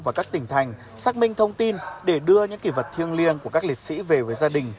và các tỉnh thành xác minh thông tin để đưa những kỳ vật thiêng liêng của các liệt sĩ về với gia đình